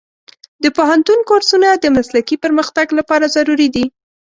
د پوهنتون کورسونه د مسلکي پرمختګ لپاره ضروري دي.